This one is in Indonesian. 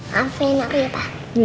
maafin aku ya pak